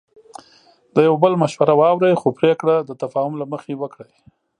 د یو بل مشوره واورئ، خو پریکړه د تفاهم له مخې وکړئ.